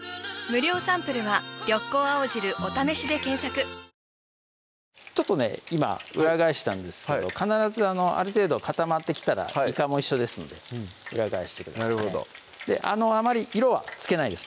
天ぷらがあるんだなぁと思ってちょっとね今裏返したんですけど必ずある程度固まってきたらいかも一緒ですので裏返してくださいあまり色はつけないです